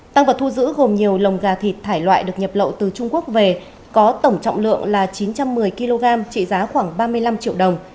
tăng vật thu giữ gồm nhiều lồng gà thịt thải loại được nhập lậu từ trung quốc về có tổng trọng lượng là chín trăm một mươi kg trị giá khoảng ba mươi năm triệu đồng